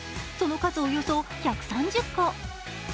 その数、およそ１３０個。